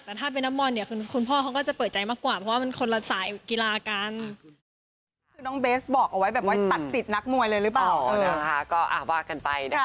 แต่ถ้าเป็นนักบอลเนี่ยคุณพ่อเขาก็จะเปิดใจมากกว่าเพราะว่ามันคนละสายกีฬากัน